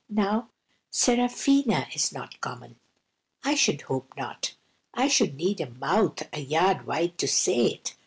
Now Seraphina is not common." "I should hope not. I should need a mouth a yard wide to say it.